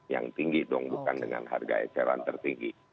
yang tinggi dong bukan dengan harga eceran tertinggi